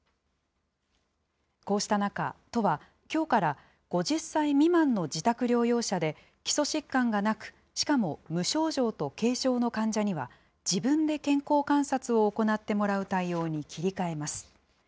こうした中、都は、きょうから５０歳未満の自宅療養者で、基礎疾患がなく、しかも無症状と軽症の患者には、自分で健康観察を行ってもらう対応に切り替えます。